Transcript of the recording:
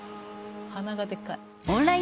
鼻がでかい。